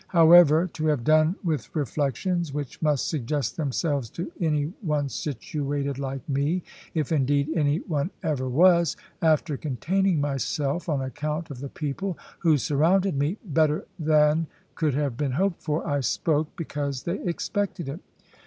However, to have done with reflections which must suggest themselves to any one situated like me if, indeed, any one ever was after containing myself, on account of the people who surrounded me, better than could have been hoped for, I spoke, because they expected it.